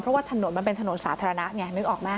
เพราะว่าถนนมันเป็นถนนสาธารณะไงนึกออกไหม